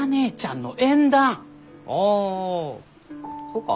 あそうか？